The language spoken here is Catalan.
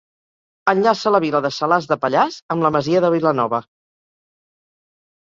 Enllaça la vila de Salàs de Pallars amb la Masia de Vilanova.